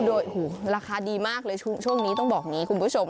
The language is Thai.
โอ้โหราคาดีมากเลยช่วงนี้ต้องบอกนี้คุณผู้ชม